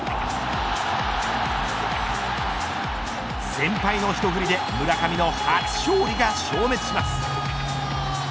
先輩の一振りで村上の初勝利が消滅します。